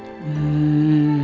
bapaknya sudah pulang